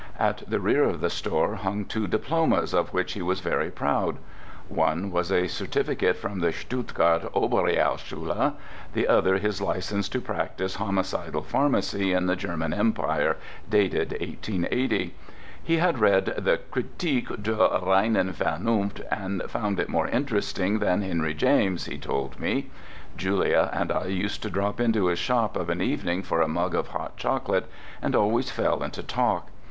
At the rear of the store hung two diplomas of which he was very proud. One was a certificate from the Stuttgart Oberrealschule; the other his license to practise homicidal pharmacy in the German Empire, dated 1880. He had read the "Kritik der reinen Vernunft", and found it more interesting than Henry James, he told me. Julia and I used to drop into his shop of an evening for a mug of hot chocolate, and always fell into talk.